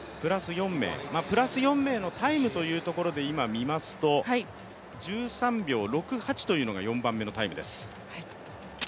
プラス４名のタイムというところで今、見ますと１３秒６８というのが４番目のタイムです。